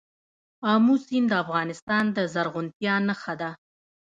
آمو سیند د افغانستان د زرغونتیا نښه ده.